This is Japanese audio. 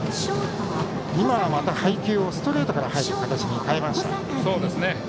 今はまた配球をストレートから入る形に変えました。